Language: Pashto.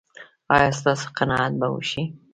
ایا ستاسو قناعت به وشي؟